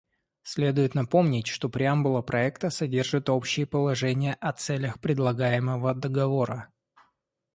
Следует напомнить, что преамбула проекта содержит общие положения о целях предлагаемого договора.